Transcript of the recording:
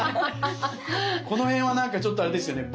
この辺はなんかちょっとあれですよね